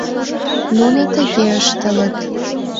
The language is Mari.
Нуно тыге ыштылыт...